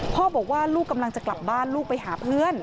พ่อบอกว่าลูกกำลังจะกลับบ้านลูกไปหาเพื่อน